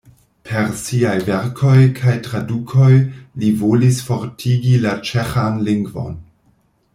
Per siaj verkoj kaj tradukoj li volis fortigi la ĉeĥan lingvon.